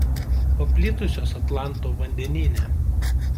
Paplitusios Atlanto vandenyne.